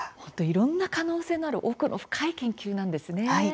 いろんな可能性のある奥の深い研究なんですね。